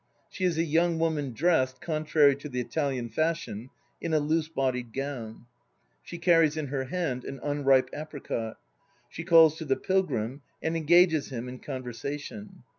She is a young woman dressed, "contrary to the Italian fashion," in a loose bodied gown. She carries in her hand an unripe apricot. She calls to the Pilgrim and engages him in conversation.